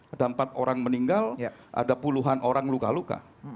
ada empat orang meninggal ada puluhan orang luka luka